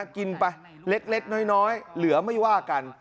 กินไปเล็กน้อยเหลือไม่ว่ากัน